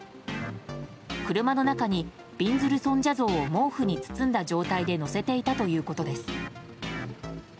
車の中に、びんずる尊者像を毛布に包んだ状態で載せていたということです。